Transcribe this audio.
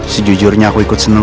sejujurnya aku ikut seneng